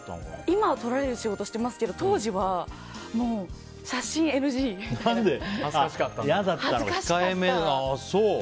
今は撮られる仕事してますけど当時は嫌だったんだ、控えめで。